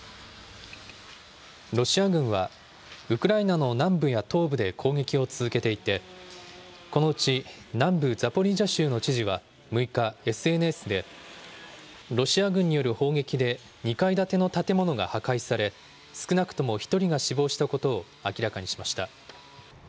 ロシア軍はウクライナの南部や東部で攻撃を続けていて、このうち、南部ザポリージャ州の知事は、６日、ＳＮＳで、ロシア軍による砲撃で２階建ての建物が破壊され、少なくとも１人が死亡したことを明らかにしました。